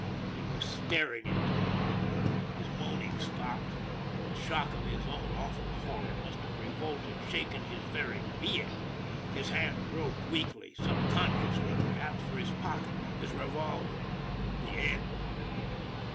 He was staring into it. His moaning stopped. The shock of his own awful horror must have revolted, shaken his very being. His hand groped weakly, subconsciously perhaps, for his pocket his revolver the end.